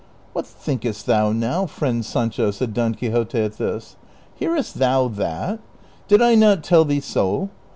'< What thinkest thou now, friend Sancho ?" said Don Quixote at this. " Hearest thou that ? Did I not tell thee so